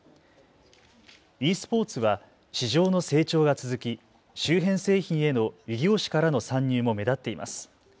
ｅスポーツは市場の成長が続き周辺製品への異業種からの参入も目立っています。